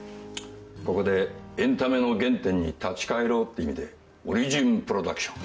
ここでエンタメの原点に立ち返ろうって意味でオリジン・プロダクション。